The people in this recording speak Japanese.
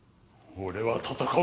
俺は戦う！